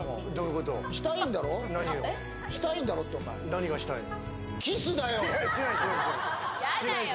何がしたいの？